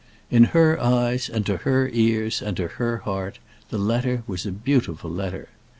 In her eyes, and to her ears, and to her heart, the letter was a beautiful letter.